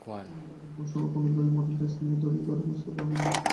আগের প্রশ্ন বা কোনো বইয়ের মডেল টেস্ট নিয়ে ঘড়ি ধরে বসতে পারেন।